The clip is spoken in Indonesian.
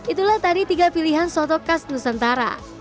itulah tadi tiga pilihan soto khas nusantara